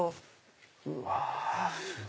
うわ！